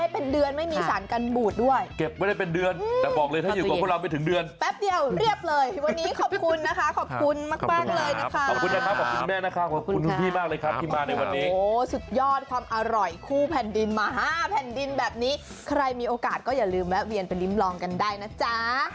ปล่อยคู่แผ่นดินมา๕แผ่นดินแบบนี้ใครมีโอกาสก็อย่าลืมแล้วเวียนไปลิ้มลองกันได้นะจ๊ะ